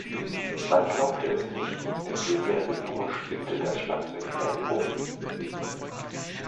Man glaubte es nicht, der vierjährige Junge spielte das Schlagzeug wie ein Profi.